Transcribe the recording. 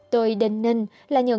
tôi định ninh